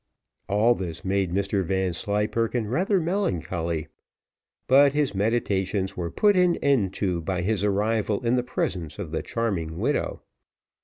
All this made Mr Vanslyperken rather melancholy but his meditations were put an end to by his arrival in the presence of the charming widow.